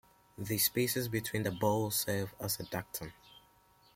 The spaces between the balls serve as ducting.